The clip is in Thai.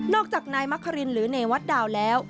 จากนายมะครินหรือเนวัดดาวแล้ว